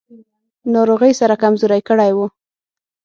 ناروغۍ سره کمزوری کړی و.